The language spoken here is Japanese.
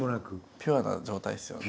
ピュアな状態ですよね。